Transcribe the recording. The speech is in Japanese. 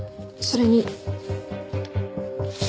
それに。